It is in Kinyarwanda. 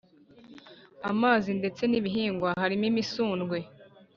amazi ndetse n’ibihingwa harimo imisundwe